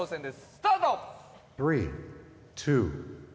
スタート！